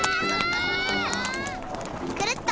くるっと！